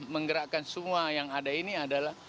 menggerakkan semua yang ada ini adalah